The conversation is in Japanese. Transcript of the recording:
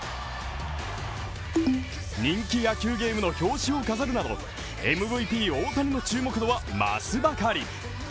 人気野球ゲームの表紙を飾るなどＭＶＰ大谷の注目度は増すばかり。